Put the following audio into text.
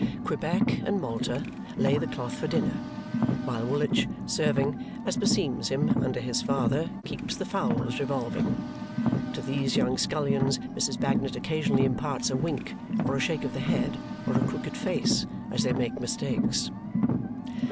Quebec and Malta lay the cloth for dinner, while Woolwich, serving, as beseems him, under his father, keeps the fowls revolving. To these young scullions Mrs. Bagnet occasionally imparts a wink, or a shake of the head, or a crooked face, as they made mistakes.